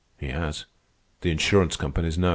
He has. The insurance companies know.